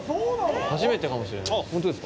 初めてかもしれないです。